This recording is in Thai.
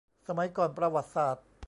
สมัยก่อนประวัติศาสตร์